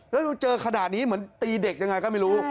แล้วเจอขนาดนี้เหมือนตีเด็กยังไงก็ไม่รู้